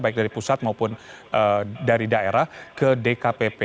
baik dari pusat maupun dari daerah ke dkpp